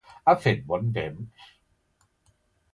Ha fet bon temps?